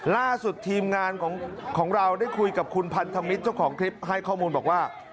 ล่าสุดทีมงานของเราได้คุยกับคุณพันธมิตรเจ้าของคลิปให้ข้อมูลบอกว่า